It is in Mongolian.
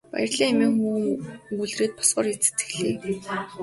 Баярлалаа хэмээн хөвгүүн өгүүлээд босохоор зэхлээ.